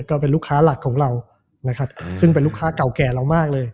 ก็เป็นลูกค้าหลักของเรานะครับซึ่งเป็นลูกค้าเก่าแก่เรามากเลย